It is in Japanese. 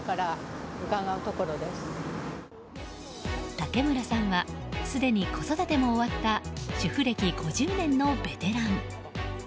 竹村さんはすでに子育ても終わった主婦歴５０年のベテラン。